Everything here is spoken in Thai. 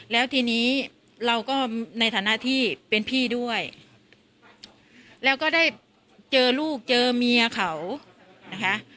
แล้วทีนี้เราก็ในฐานะที่เป็นพี่ด้วยแล้วก็ได้เจอลูกเจอเมียเขานะคะ